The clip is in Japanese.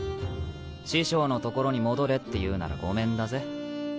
師匠の所に戻れって言うならごめんだぜ。